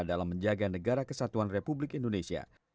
dalam menjaga negara kesatuan republik indonesia